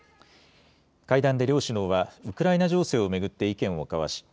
会談で両首脳はウクライナ情勢を巡って意見を交わし